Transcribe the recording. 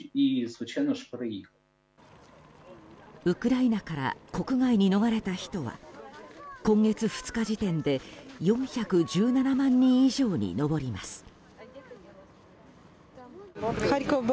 ウクライナから国外に逃れた人は今月２日時点で４１７万人以上に上ります。